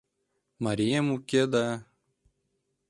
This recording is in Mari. — Марием уке да...